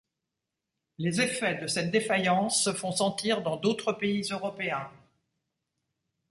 Les effets de cette défaillance se font sentir dans d'autres pays européens.